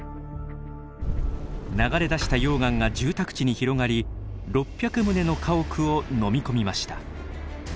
流れ出した溶岩が住宅地に広がり６００棟の家屋をのみ込みました。